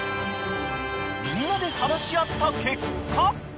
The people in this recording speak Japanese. ［みんなで話し合った結果］